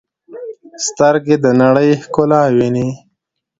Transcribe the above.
سترګې د نړۍ ښکلا ویني.